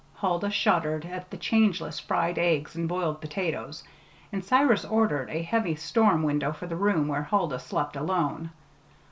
Huldah shuddered at the changeless fried eggs and boiled potatoes; and Cyrus ordered a heavy storm window for the room where Huldah slept alone.